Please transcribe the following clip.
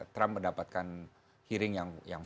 trump mendapatkan hearing yang